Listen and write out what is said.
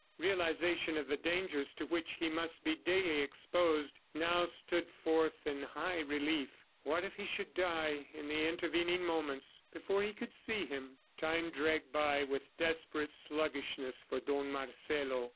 Realization of the dangers to which he must be daily exposed, now stood forth in high relief. What if he should die in the intervening moments, before he could see him? ... Time dragged by with desperate sluggishness for Don Marcelo.